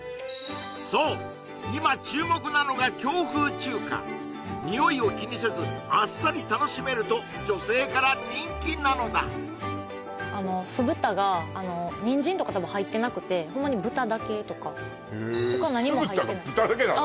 そう今注目なのが京風中華においを気にせずあっさり楽しめると女性から人気なのだあの酢豚がニンジンとか多分入ってなくてホンマに豚だけとか他何も入ってないへえ酢豚が豚だけなの？